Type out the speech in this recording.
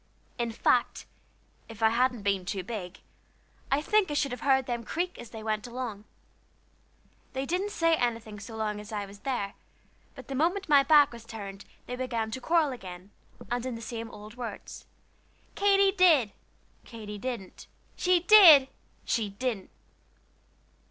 In fact, if I hadn't been too big, I think I should have heard them creak as they went along. They didn't say anything so long as I was there, but the moment my back was turned they began to quarrel again, and in the same old words "Katy did." "Katy didn't." "She did." "She didn't."